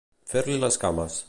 Fer-li les cames.